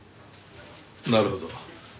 なるほど。